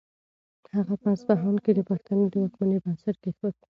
هغه په اصفهان کې د پښتنو د واکمنۍ بنسټ کېښود.